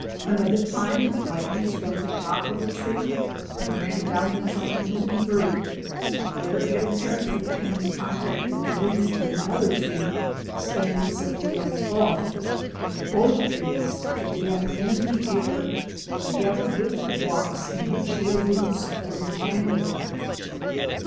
Another time lightning struck the top of a tree and ran down the trunk into the earth where it apparently came in contact with the roots of another tree standing several yards off. Both trees were blown into the air, together with the rocks in which their roots were entangled.